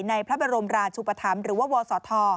ในพระบรมราชุปธรรมหรือว่าวศธ